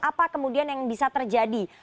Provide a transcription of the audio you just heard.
apa kemudian yang bisa terjadi